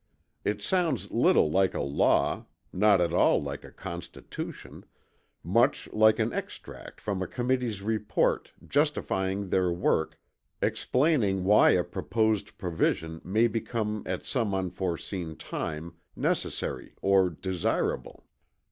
It sounds little like a law, not at all like a constitution, much like an extract from a committee's report, justifying their work, explaining why a proposed provision may become at some unforeseen time, necessary or desirable.